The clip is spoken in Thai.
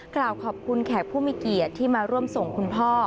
ขอบคุณแขกผู้มีเกียจที่มาร่วมส่งคุณพ่อ